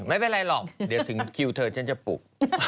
ไม่เป็นไรหรอกเดี๋ยวถึงคิวเธอฉันจะปลุก